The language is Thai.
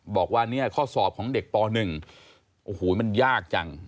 บอกว่าเนี่ยข้อสอบของเด็กป๑โอ้โหมันยากจัง